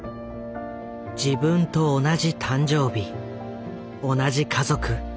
自分と同じ誕生日同じ家族。